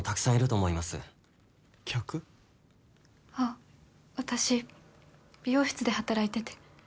あっ私美容室で働いてて。